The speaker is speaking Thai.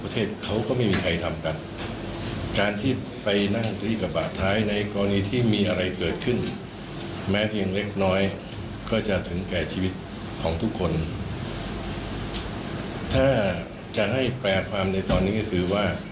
ถ้าจะให้แปรความใดความใดตอนนี้คือว่า